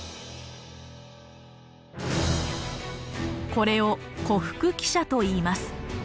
これを「胡服騎射」といいます。